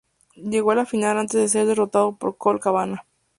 Llegó a la final antes de ser derrotado por Colt Cabana.